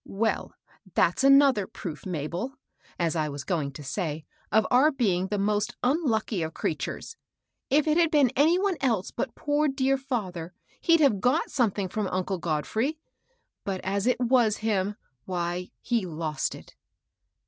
Well, that's another proof, Mabel, as I was going to say, of our bdng the most unlucky of crea tures I If it had been any one else but poor, dear fether, he'd have got something from uncle God frey ; but as it wa» him, why — he lost it."